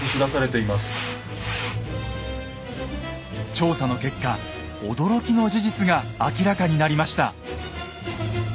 調査の結果驚きの事実が明らかになりました。